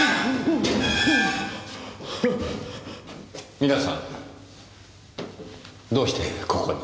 皆さんどうしてここに？